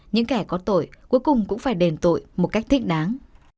những kẻ có tội cuối cùng cũng phải đền tội một cách thích đáng